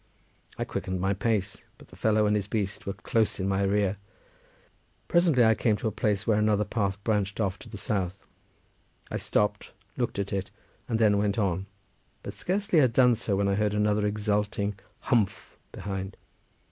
I quickened my pace, but the fellow and his beast were close in my rear. Presently I came to a place where another path branched off to the south. I stopped, looked at it, and then went on, but scarcely had done so when I heard another exulting "humph" behind.